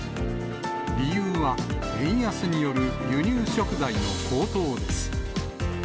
理由は、円安による輸入食材の高騰です。